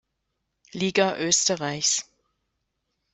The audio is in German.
Liga Österreichs.